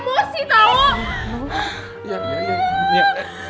aku kaget lah emosi tau